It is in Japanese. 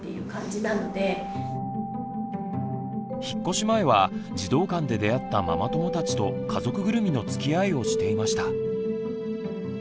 引っ越し前は児童館で出会ったママ友たちと家族ぐるみのつきあいをしていました。